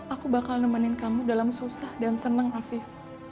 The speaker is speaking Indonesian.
aku bakal nemenin kamu dalam susah dan senang afif